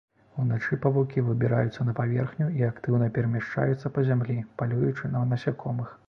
Уначы павукі выбіраюцца на паверхню і актыўна перамяшчаюцца па зямлі, палюючы на насякомых.